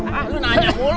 hah lu nanya mulu